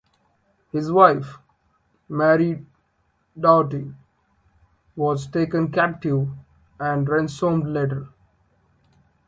His wife, Mary Doughty, was taken captive and ransomed later.